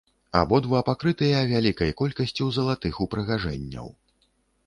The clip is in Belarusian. Абодва пакрытыя вялікай колькасцю залатых упрыгажэнняў.